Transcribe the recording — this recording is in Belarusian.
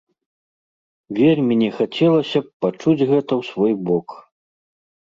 Вельмі не хацелася б пачуць гэта ў свой бок.